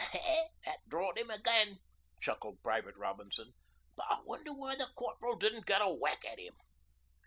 'That drawed 'im again,' chuckled Private Robinson, 'but I wonder why the corp'ril didn't get a whack at 'im.'